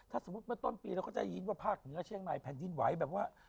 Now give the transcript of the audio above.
ถ้าสมมุติเมื่อต้นปีเราก็ได้ยินว่าภาคเหนือเชียงใหม่แผ่นดินไหวแบบว่า